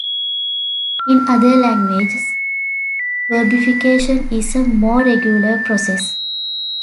In other languages, verbification is a more regular process.